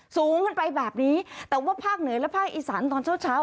สูงขึ้นไปแบบนี้แต่ว่าภาคเหนือและภาคอีสานตอนเช้าเช้า